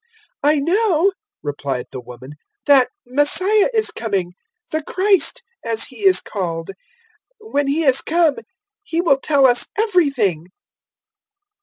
004:025 "I know," replied the woman, "that Messiah is coming `the Christ,' as He is called. When He has come, He will tell us everything."